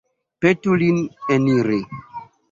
Petu lin eniri.